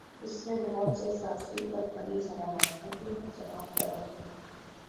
اس میں بہت سے سیاسی اور فنی سوالات ابھی تک جواب طلب ہیں۔